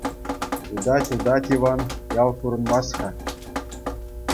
Утать-утать Иван, ял курӑнмасть-ха.